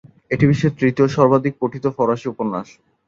এটি বিশ্বের তৃতীয় সর্বাধিক পঠিত ফরাসি উপন্যাস।